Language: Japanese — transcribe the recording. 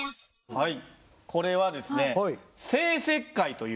はい。